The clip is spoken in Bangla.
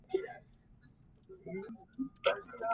এ সময়ের মধ্যে অন্য কোন সন্তানের জন্ম হয়নি।